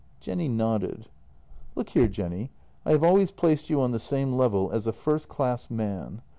Jenny nodded. " Look here, Jenny. I have always placed you on the same level as a first class man.